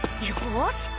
よし！